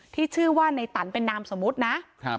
ที่ชื่อว่าเป็นนามสมุดนะ